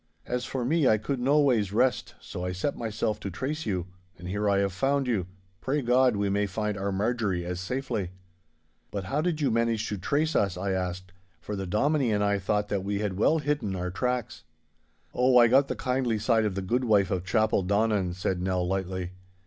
As for me, I could noways rest, so I set myself to trace you. And here I have found you. Pray God we may find our Marjorie as safely!' 'But how did you manage to trace us?' I asked, for the Dominie and I thought that we had well hidden our tracks. 'Oh, I got the kindly side of the goodwife of Chapeldonnan,' said Nell, lightly.